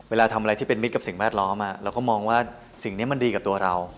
เวลาทำอะไรที่เป็นมิตรกับสิ่งแวดล้อมเราก็มองว่าสิ่งนี้มันดีกับตัวเรา